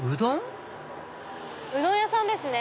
うどん屋さんですね。